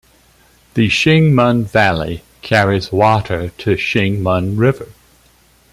The Shing Mun Valley carries water to Shing Mun River.